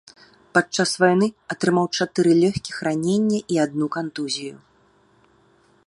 Падчас вайны атрымаў чатыры лёгкіх ранення і адну кантузію.